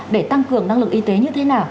để tăng cường năng lực y tế như thế nào